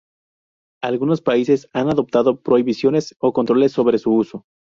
Algunos países han adoptado prohibiciones o controles sobre su uso.